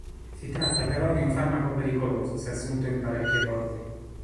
Si tratta però di un farmaco pericoloso se assunto in parecchie dosi.